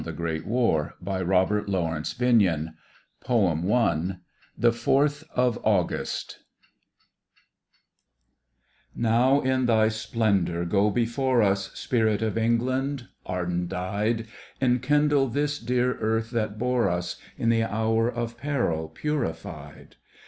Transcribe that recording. . 30 Digitized by Google Digitized by Google THE FOURTH OF AUGUST Now in thy splendour go before us, Spirit of England, ardent eyed. Enkindle this dear earth that bore us. In the hour of peril purified.